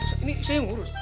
ini saya yang urus